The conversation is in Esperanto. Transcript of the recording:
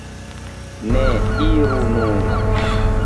Ne, iru nur!